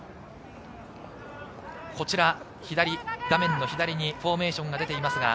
こちら左の画面にフォーメーションが出ています。